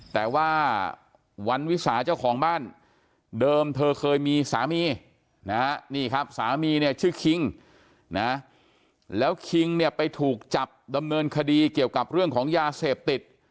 แต่ว่าวันวิสาเจ้าของบ้านเดิมเธอเคยมีสามีนะฮะนี่ครับสามีเนี่ยชื่อคิงนะแล้วคิงเนี่ยไปถูกจับดำเนินคดีเกี่ยวกับเรื่องของยาเสพติด